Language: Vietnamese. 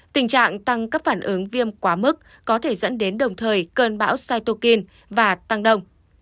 tình trạng tăng các phản ứng viêm quá mức có thể dẫn đến đồng thời cơn bão saitukin và tăng đồng